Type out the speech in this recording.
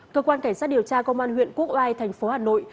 cơ quan cảnh sát điều tra công an huyện quốc oai thành phố hà nội